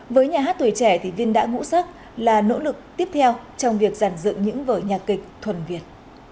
với nhà hát tuổi trẻ thì viên đá ngũ sắc là nỗ lực tiếp theo trong việc giản dự những vở nhạc kịch thuần việt